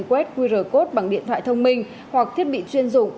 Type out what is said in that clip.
quét qr code bằng điện thoại thông minh hoặc thiết bị chuyên dụng